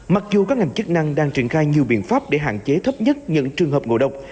mặc dù các ngành chức năng đang triển khai nhiều biện pháp để hạn chế thấp nhất những trường hợp ngộ độc